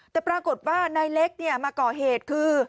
แต่ปรากฏว่านายเล็กมาก่อเหตุคือ